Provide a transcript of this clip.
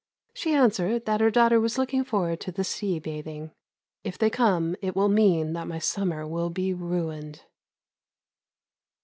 She answered that her daughter was looking forward to the sea bathing. If they come it will mean that my summer will be ruined.